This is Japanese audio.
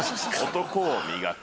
「男を磨く」。